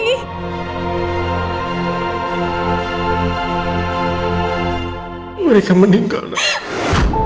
kesih sama papa chandra meninggal ya mereka tidak mudah anak